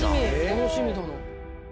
楽しみだな。